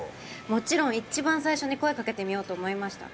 もちろん一番最初に声かけてみようと思いました